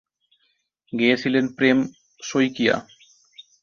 গেয়েছিলেন Prem Saikia.